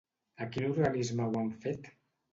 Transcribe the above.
A quin organisme ho han fet?